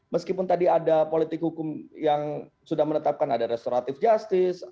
meskipun tadi ada politik hukum yang sudah menetapkan ada restoratif justice